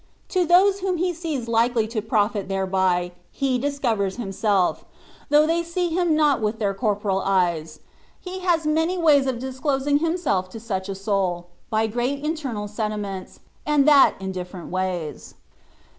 To those whom He sees likely to profit thereby. He dis covers Himself; though they see Him not with their corporal eyes. He has many ways of dis THE WAT OF PEBrSCTION. 175 closing Himself to such a soul^ by great internal sentiments^ and that in different ways.